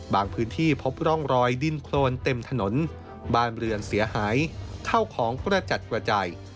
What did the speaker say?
พื้นที่พบร่องรอยดินโครนเต็มถนนบ้านเรือนเสียหายเข้าของกระจัดกระจาย